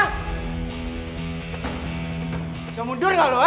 bisa mundur gak lo ya